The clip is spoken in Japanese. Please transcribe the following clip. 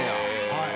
はい。